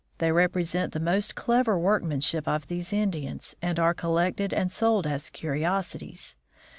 They represent the most clever workmanship of these Indians, and are collected and sold as curiosities.